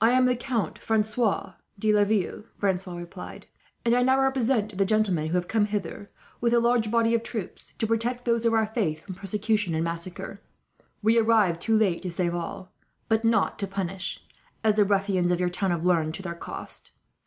"I am the Count Francois de Laville," Francois replied; "and I now represent the gentlemen who have come hither, with a large body of troops, to protect those of our faith from persecution and massacre. We arrived too late to save all, but not to punish; as the ruffians of your town have learned, to their cost.